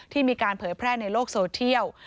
มีการเผยแพร่ในโลกโซเทียล